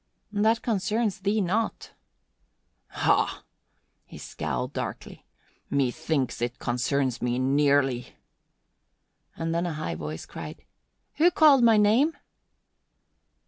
"That concerns thee not." "Ha!" He scowled darkly. "Methinks it concerns me nearly!" And then a high voice cried, "Who called my name?"